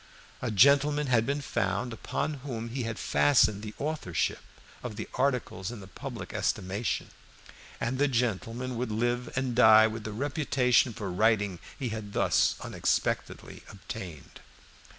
A gentleman had been found upon whom he had fastened the authorship of the articles in the public estimation, and the gentleman would live and die with the reputation for writing he had thus unexpectedly obtained.